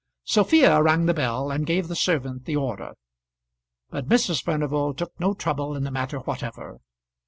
Sophia rang the bell and gave the servant the order; but Mrs. Furnival took no trouble in the matter whatever.